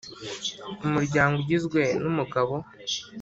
Umuryango ugizwe nu mugabo,